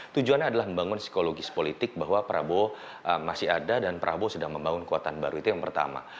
tujuannya adalah membangun psikologis politik bahwa prabowo masih ada dan prabowo sedang membangun kekuatan baru itu yang pertama